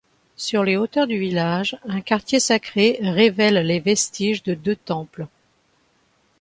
Sur les hauteurs du village, un quartier sacré révèle les vestiges de deux temples.